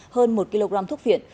hơn một kg thuốc phiện